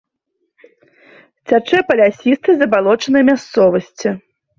Цячэ па лясістай забалочанай мясцовасці.